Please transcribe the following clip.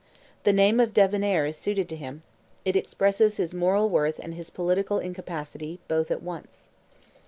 The name of Debonnair is suited to him; it expresses his moral worth and his political incapacity, both at once.